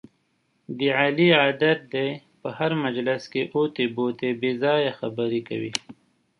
د علي عادت دی، په هر مجلس کې اوتې بوتې بې ځایه خبرې کوي.